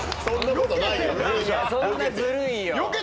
そんなことないよ。